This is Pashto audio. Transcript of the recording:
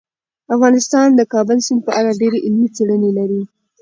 افغانستان د کابل سیند په اړه ډېرې علمي څېړنې لري.